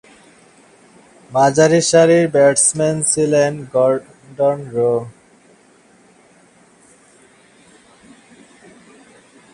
মাঝারিসারির batsman ছিলেন Gordon rho.